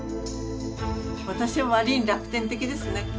私は割に楽天的ですね。